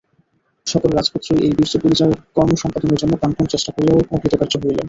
সকল রাজপুত্রই এই বীর্যপরিচায়ক কর্ম সম্পাদনের জন্য প্রাণপণ চেষ্টা করিয়াও অকৃতকার্য হইলেন।